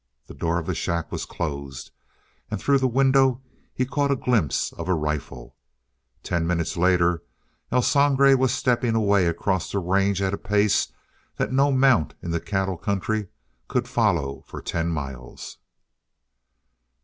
The door of the shack was closed, and through the window he caught a glimpse of a rifle. Ten minutes later El Sangre was stepping away across the range at a pace that no mount in the cattle country could follow for ten miles.